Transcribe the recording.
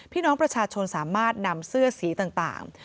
พี่น้องประชาชนสามารถนำเสื้อสีต่าง